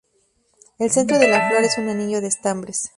El centro de la flor es un anillo de estambres.